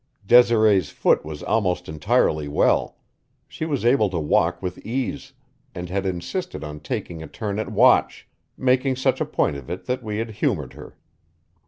Desiree's foot was almost entirely well; she was able to walk with ease, and had insisted on taking a turn at watch, making such a point of it that we had humored her.